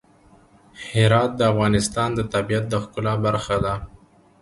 هرات د افغانستان د طبیعت د ښکلا برخه ده.